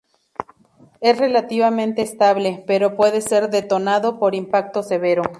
Es relativamente estable, pero puede ser detonado por impacto severo.